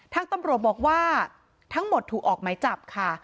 ทางตำรวจบอกว่าทั้งหมดถูกออกไหมจับค่ะ